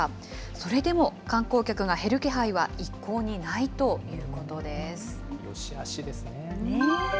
それでも観光客が減る気配は一向にないということです。